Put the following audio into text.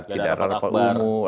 tidak ada akbar